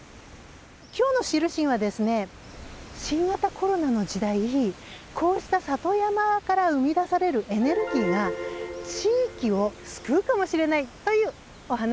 今日の「知るしん」はですね新型コロナの時代こうした里山から生み出されるエネルギーが地域を救うかもしれないというお話です。